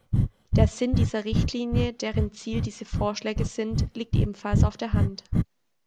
Der Sinn dieser Richtlinie, deren Ziel diese Vorschläge sind, liegt ebenfalls auf der Hand.